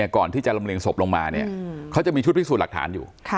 ก่อนที่จะลำเรียงศพลงมาเขาจะมีชุดพิสูจน์หลักฐานอยู่